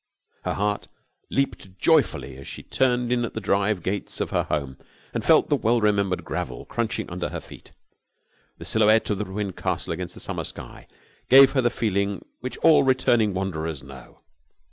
Her heart leaped joyfully as she turned in at the drive gates of her home and felt the well remembered gravel crunching under her feet. The silhouette of the ruined castle against the summer sky gave her the feeling which all returning wanderers know.